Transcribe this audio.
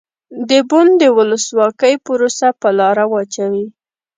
د بن د ولسواکۍ پروسه په لاره واچوي.